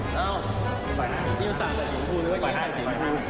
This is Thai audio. สุดท้ายก็สร้างแล้วถึงผู้ด้วยก็ได้